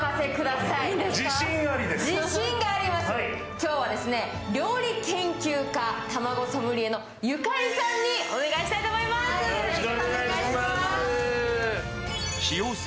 今日は料理研究家たまごソムリエのゆかりさんにお願いしたいと思います。